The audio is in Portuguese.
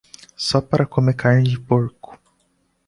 Só para comer carne de porco